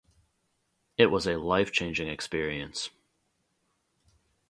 It was a life changing experience.